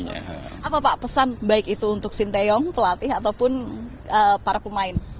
apa pak pesan baik itu untuk sinteyong pelatih ataupun para pemain